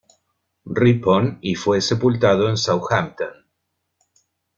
Ripon", y fue sepultado en Southampton.